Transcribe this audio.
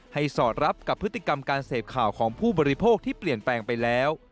สอดรับกับพฤติกรรมการเสพข่าวของผู้บริโภคที่เปลี่ยนแปลงไปแล้ว